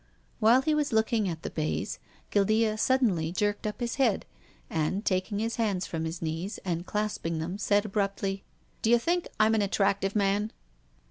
While he was looking at the baize, Guildea suddenly jerked up his head, and, taking his hands from his knees and clasping them, said abruptly :" D'you think Fm an attractive man